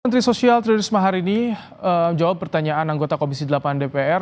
menteri sosial tridisma hari ini jawab pertanyaan anggota komisi delapan dpr